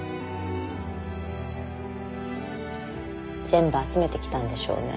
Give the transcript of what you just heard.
全部集めてきたんでしょうね。